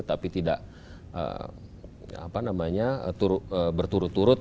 tapi tidak berturut turut